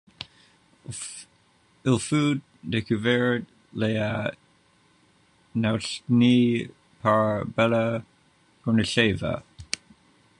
Il fut découvert le à Naoutchnyï par Bella Bournacheva.